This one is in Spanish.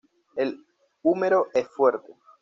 El húmero es fuerte.